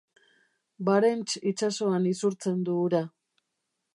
Barents itsasoan isurtzen du ura.